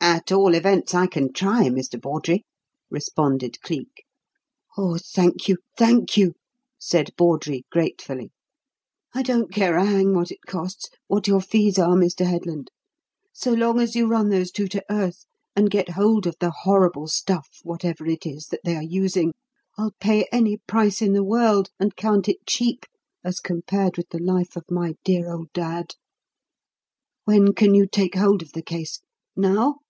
"At all events, I can try, Mr. Bawdrey," responded Cleek. "Oh, thank you, thank you!" said Bawdrey gratefully. "I don't care a hang what it costs, what your fees are, Mr. Headland. So long as you run those two to earth, and get hold of the horrible stuff, whatever it is, that they are using, I'll pay any price in the world, and count it cheap as compared with the life of my dear old dad. When can you take hold of the case? Now?"